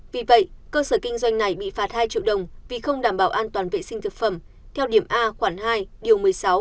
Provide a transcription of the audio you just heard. vì vậy cơ sở kinh doanh này bị phạt hai triệu đồng vì không đảm bảo an toàn vệ sinh thực phẩm theo điểm a khoảng hai điều một mươi sáu